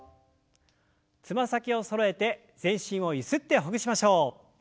つま先をそろえて全身をゆすってほぐしましょう。